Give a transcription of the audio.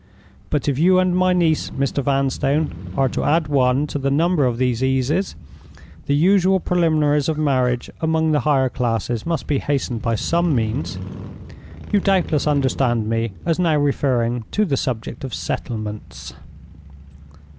But if you and my niece, Mr. Vanstone, are to add one to the number of these eases, the usual preliminaries of marriage among the higher classes must be hastened by some means. You doubtless understand me as now referring to the subject of settlements."